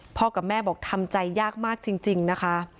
กับแม่บอกทำใจยากมากจริงนะคะ